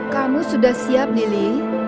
kamu sudah siap lili